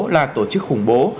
là tổ chức khủng bố